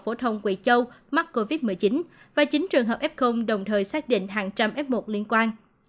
phổ thông quỳ châu mắc covid một mươi chín và chín trường hợp f đồng thời xác định hàng trăm f một liên quan